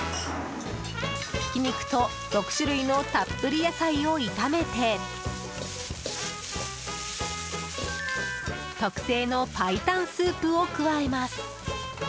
ひき肉と６種類のたっぷり野菜を炒めて特製のパイタンスープを加えます。